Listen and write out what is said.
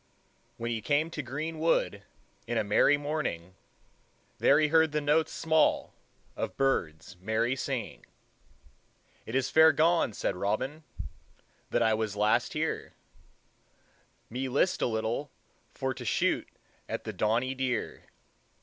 "When he came to grene wode, In a mery mornynge, There he herde the notes small Of byrdes mery syngynge. "It is ferre gone, sayd Robyn, That I was last here; Me lyste a lytell for to shote At the donne dere."